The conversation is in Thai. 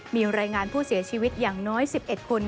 มีรายงานผู้เสียชีวิตอย่างน้อย๑๑คน